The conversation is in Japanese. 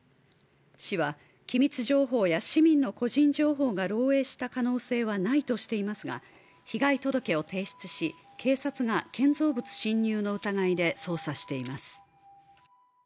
市は機密情報や市民の個人情報が漏えいした可能性はないとしていますが、被害届を提出し、警察が建造物委侵入の疑いで捜査しています。